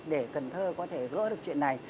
để cần thơ có thể gỡ được chuyện này